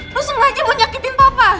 lu sengaja mau nyakitin papa